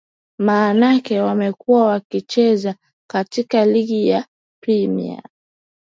maanake wamekuwa wakicheza katika ligi ya premier